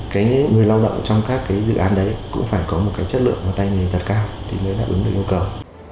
cái người lao động trong các cái dự án đấy cũng phải có một cái chất lượng và tay nghề thật cao thì mới đáp ứng được yêu cầu